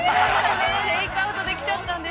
テークアウトできちゃったんです。